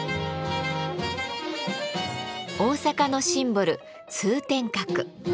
大阪のシンボル通天閣。